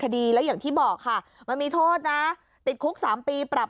คดีแล้วอย่างที่บอกค่ะมันมีโทษนะติดคุก๓ปีปรับ